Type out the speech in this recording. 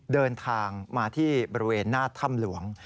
เดินทางมาที่บริเวณหน้าถ้ำหลวง